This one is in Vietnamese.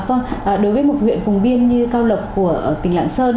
vâng đối với một huyện vùng biên như cao lộc của tỉnh lạng sơn